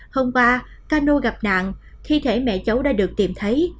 hôm qua ca nô gặp nạn thi thể mẹ cháu đã được tìm thấy